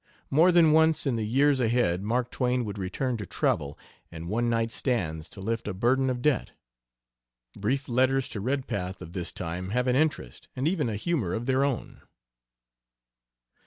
More than once in the years ahead Mark Twain would return to travel and one night stands to lift a burden of debt. Brief letters to Redpath of this time have an interest and even a humor of their own.